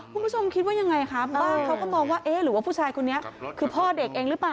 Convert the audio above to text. คุณผู้ชมคิดว่ายังไงคะบ้านเขาก็มองว่าเอ๊ะหรือว่าผู้ชายคนนี้คือพ่อเด็กเองหรือเปล่า